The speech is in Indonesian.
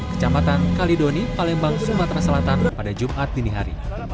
kecamatan kalidoni palembang sumatera selatan pada jumat dinihari